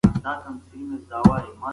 عادلانه پرېکړې شخړې او نارضایتي کموي.